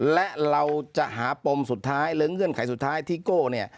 และเราจะหาปมสุดท้ายหรือเงื่อนไขสุดท้ายที่โก้เนี่ย